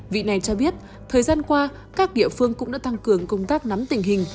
vị này cho biết thời gian qua các địa phương cũng đã tăng cường công tác nắm tình hình